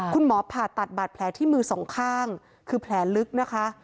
คุณหมอผ่าตัดบาดแพร่ที่มือสองข้างคือแพร่ลึกนะคะ